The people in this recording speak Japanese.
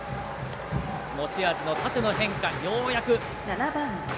持ち味の縦の変化、ようやく。